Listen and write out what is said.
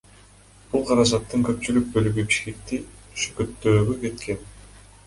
Бул каражаттын көпчүлүк бөлүгү Бишкекти шөкөттөөгө кеткен.